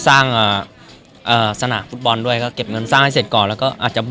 ถ้าขอพี่เมย์พร้อมหรือไม่ฮะ